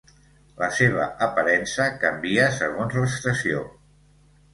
La seva aparença canvia segons l'estació.